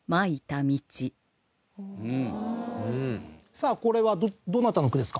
さあこれはどなたの句ですか？